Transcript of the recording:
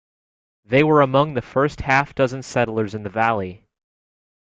They were among the first half dozen settlers in the valley.